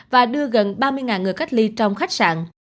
và đưa gần ba mươi người cách ly trong khách sạn